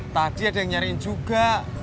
tadi ada yang nyariin juga